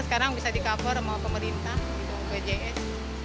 sekarang bisa di cover sama pemerintah bpjs